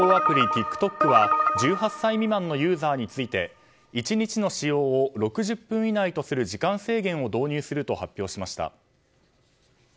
ＴｉｋＴｏｋは１８歳未満のユーザーについて１日の使用を６０分以内とする時間制限を導入すると発表しました。